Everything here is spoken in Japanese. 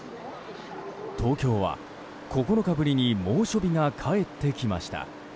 東京は９日ぶりに猛暑日が帰ってきました。